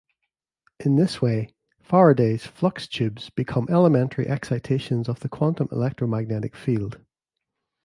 In this way, Faraday's "flux tubes" become elementary excitations of the quantum electromagnetic field.